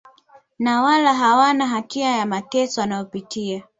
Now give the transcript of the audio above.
na wala hawana hatia ya mateso wanayopitia